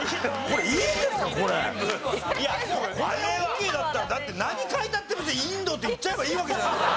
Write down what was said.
これオッケーだったらだって何書いたって別に「インド」って言っちゃえばいいわけじゃないですか。